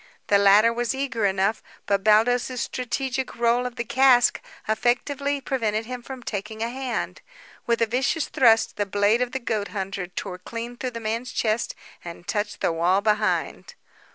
The latter was eager enough, but Baldos's strategic roll of the cask effectively prevented him from taking a hand. With a vicious thrust, the blade of the goat hunter tore clean through the man's chest and touched the wall behind.